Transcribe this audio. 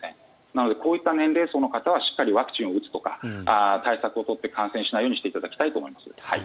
なのでこういった年齢層の方はしっかりワクチンを打つとか対策を取って感染しないようにしていただきたいと思います。